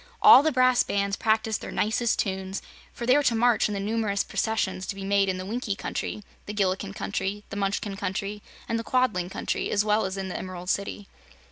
All the brass bands practiced their nicest tunes, for they were to march in the numerous processions to be made in the Winkie Country, the Gillikin Country, the Munchkin Country and the Quadling Country, as well as in the Emerald City.